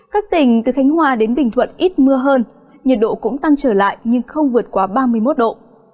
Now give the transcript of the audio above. các tỉnh từ khánh hòa đến bình thuận ít mưa hơn nhiệt độ cũng tăng trở lại nhưng không vượt quá ba mươi một độ